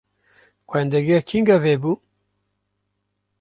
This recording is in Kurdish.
Xwendegeh kengî vebû?